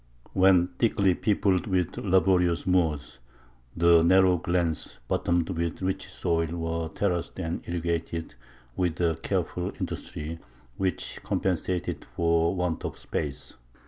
When thickly peopled with laborious Moors, the narrow glens, bottomed with rich soil, were terraced and irrigated with a careful industry which compensated for want of space.